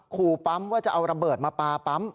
ขู่ปั๊มว่าจะเอาระเบิดมาปลาปั๊ม